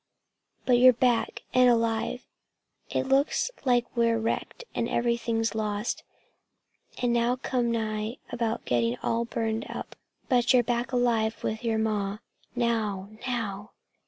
"But you're back and alive. It looks like we're wrecked and everything lost, and we come nigh about getting all burned up, but you're back alive to your ma! Now, now!"